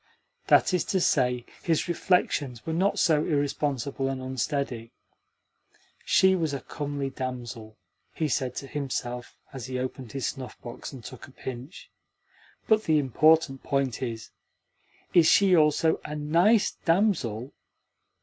That is to say, his reflections were not so irresponsible and unsteady. "She was a comely damsel," he said to himself as he opened his snuff box and took a pinch. "But the important point is: Is she also a NICE DAMSEL?